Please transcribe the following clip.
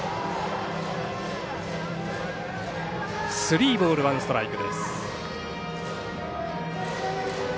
スリーボールワンストライク。